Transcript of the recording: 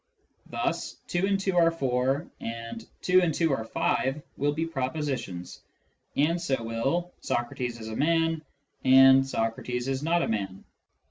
Thus " two and two are four " and " two and two are five " will be propositions, and so will " Socrates is a man " and " Socrates is not a man."